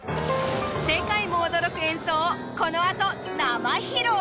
世界も驚く演奏をこの後生披露。